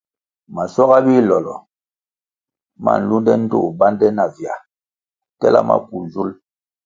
Maschuaga bilolo ma nlunde ndtoh bande navia tela maku nzul.